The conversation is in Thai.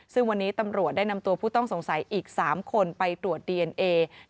ซึ่งวันนี้ตำรวจได้นำตัวผู้ต้องสงสัยอีก๓คนไปตรวจดีเอนเอ